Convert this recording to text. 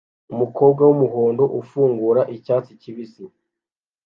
Umukobwa wumuhondo ufungura icyatsi kibisi